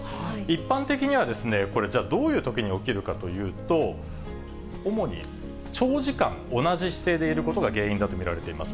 一般的には、これ、じゃあどういうときに起きるかというと、主に長時間、同じ姿勢でいることが原因だと見られています。